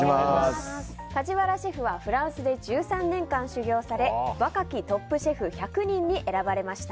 梶原シェフはフランスで１３年間修業され若きトップシェフ１００人に選ばれました。